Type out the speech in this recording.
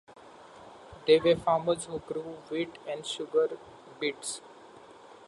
They were farmers who grew wheat and sugar beets.